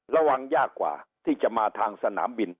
ระวังยากกว่าที่จะมาทางสนามบิน